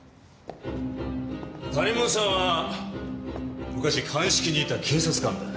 谷本さんは昔鑑識にいた警察官だ。